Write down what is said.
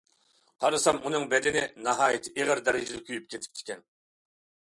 قارىسام ئۇنىڭ بەدىنىنى ناھايىتى ئېغىر دەرىجىدە كۆيۈپ كېتىپتىكەن.